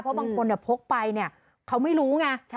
เพราะบางคนพกไปเนี่ยเขาไม่รู้ไง